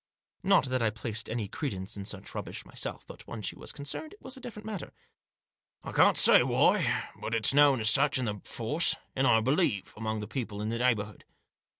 Not that I placed any credence in such rubbish myself, but when she was concerned it was a different matter. " I can't say why ; but it's known as such, in the force, and, I believe, among the people in the neigh bourhood."